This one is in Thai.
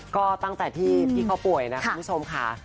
ก็ตั้งแต่ที่พี่เขาป่วยนะคุณผู้ชมค่ะ